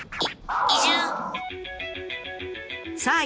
さあ